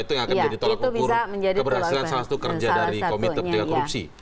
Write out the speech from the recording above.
itu yang akan ditolak ukur keberhasilan salah satu kerja dari komite pertiga korupsi